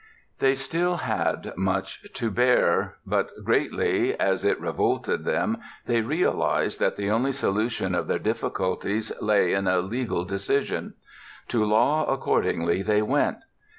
They still had much to bear, but greatly as it revolted them they realized that the only solution of their difficulties lay in a legal decision. To law, accordingly, they went.